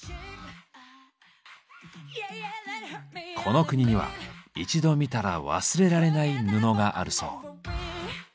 この国には一度見たら忘れられない布があるそう。